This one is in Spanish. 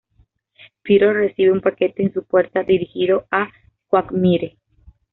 Peter recibe un paquete en su puerta dirigido a Quagmire.